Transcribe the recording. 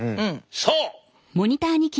そう。